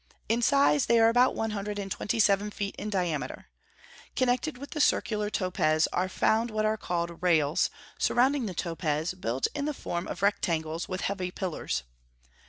In size, they are about one hundred and twenty seven feet in diameter. Connected with the circular topes are found what are called rails, surrounding the topes, built in the form of rectangles, with heavy pillars.